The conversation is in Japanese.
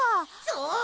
そう。